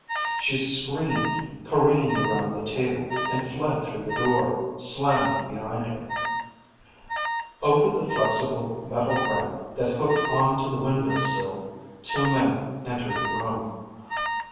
She screamed, careened around the table, and fled through the door, slamming it behind her. Over the flexible metal ramp that hooked onto the window sill two men entered the room.